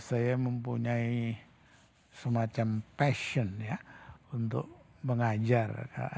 saya mempunyai semacam passion ya untuk mengajar